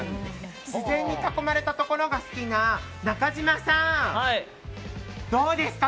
自然に囲まれたところが好きな中島さん、どうですか？